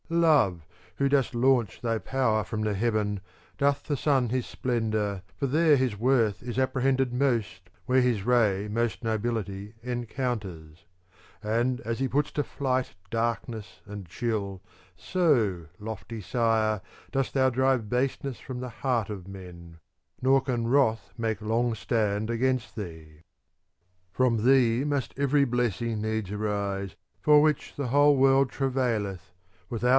Love who dost launch thy power from the heaven, as doth the sun his splendour, for there his worth is appre hended most where his ray most nobility encounters ; And as he puts to flight darkness and chill, so, lofty Sire, dost thou drive baseness from the heart of men, nor can wrath make long stand against thee : From thee must every blessing needs arise For which the whole world travaileth : without thee IV.